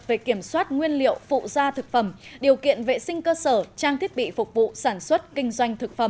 về kiểm soát nguyên liệu phụ gia thực phẩm điều kiện vệ sinh cơ sở trang thiết bị phục vụ sản xuất kinh doanh thực phẩm